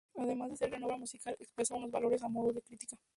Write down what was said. Además de ser gran obra musical expresa unos valores a modo de crítica.